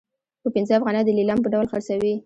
په پنځه افغانۍ د لیلام په ډول خرڅوي.